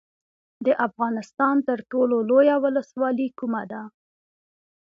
د افغانستان تر ټولو لویه ولسوالۍ کومه ده؟